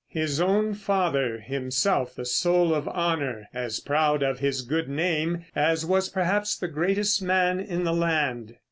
His own father, himself the soul of honour, as proud of his good name as was perhaps the greatest man in the land.